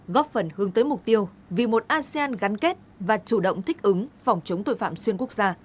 góp phần hướng tới mục tiêu vì một asean gắn kết và chủ động thích ứng phòng chống tội phạm xuyên quốc gia